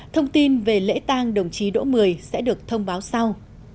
thông tin về lễ tang đồng chí đỗ mười sẽ được thông báo sau